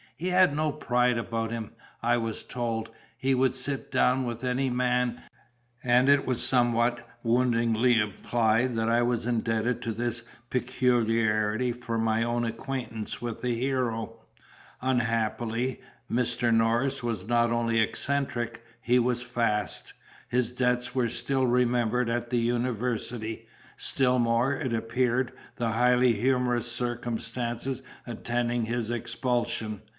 He had no pride about him, I was told; he would sit down with any man; and it was somewhat woundingly implied that I was indebted to this peculiarity for my own acquaintance with the hero. Unhappily, Mr. Norris was not only eccentric, he was fast. His debts were still remembered at the University; still more, it appeared, the highly humorous circumstances attending his expulsion.